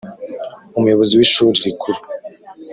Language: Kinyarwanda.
Umuyobozi w ishuri Rikuru